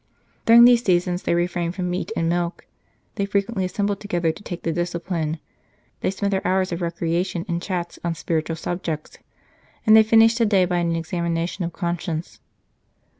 During these seasons they refrained from meat and milk. They frequently assembled together to take the discipline ; they spent their hours of recreation in chats on spiritual subjects ; and they 59 St. Charles Borromeo finished the day by an examination of conscience.